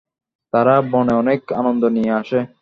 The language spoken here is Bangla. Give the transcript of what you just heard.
তারা বনে অনেক আনন্দ নিয়ে আসে।